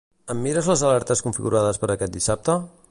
Em mires les alertes configurades per aquest dissabte?